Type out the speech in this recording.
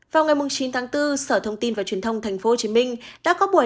vào ngày chín tháng bốn sở thông tin và truyền thông tp hcm đã có buổi